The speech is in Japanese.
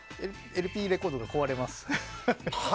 ＬＰレコードが壊れます。